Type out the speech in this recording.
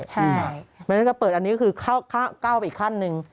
เพราะฉะนั้นก็เปิดอันนี้ก็คือก้าวไปอีกขั้นหนึ่ง